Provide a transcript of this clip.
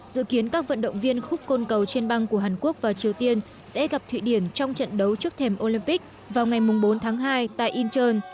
dự kiến các vận động viên khúc côn cầu trên băng của hàn quốc và triều tiên sẽ gặp thụy điển trong trận đấu trước thềm olympic vào ngày bốn tháng hai tại incheon